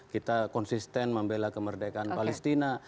kita konsisten membela kemerdekaan palestina